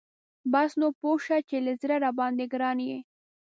بس نو پوه شه چې له زړه راباندی ګران یي .